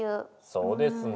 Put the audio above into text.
そうですね。